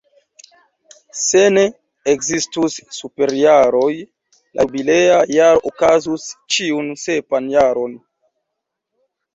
Se ne ekzistus superjaroj, la jubilea jaro okazus ĉiun sepan jaron.